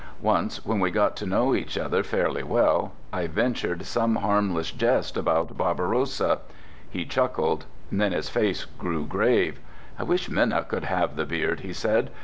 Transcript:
Once, when we got to know each other fairly well, I ventured some harmless jest about Barbarossa. He chuckled; then his face grew grave. "I wish Minna could have the beard," he said.